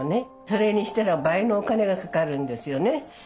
それにしたら倍のお金がかかるんですよね